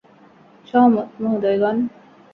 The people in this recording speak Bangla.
সহমত, মহোদয়গণ।